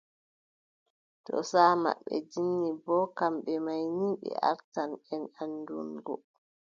Too saaʼa maɓɓe jinni boo, kamɓe may ni ɓe artan en anndungo.